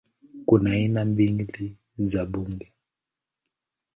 Kuna aina mbili za bunge